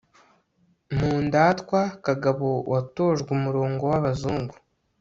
mu ndatwa kagabo watojwe umurongo w'abazungu